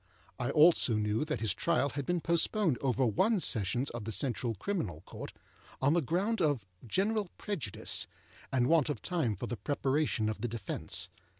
I also knew that his trial had been postponed over one Sessions of the Central Criminal Court, on the ground of general prejudice and want of time for the preparation of the defence.